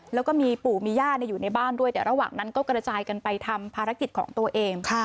แล้วก็มีปู่มีย่าอยู่ในบ้านด้วยแต่ระหว่างนั้นก็กระจายกันไปทำภารกิจของตัวเอง